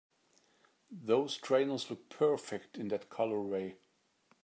Those trainers look perfect in that colorway!